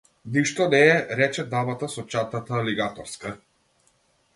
Ништо не е, рече дамата со чантата алигаторска.